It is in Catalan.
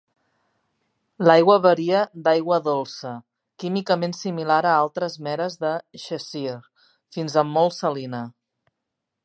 L'aigua varia d'aigua dolça, químicament similar a altres "meres" de Cheshire, fins a molt salina.